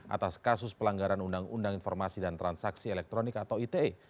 atas kasus pelanggaran undang undang informasi dan transaksi elektronik atau ite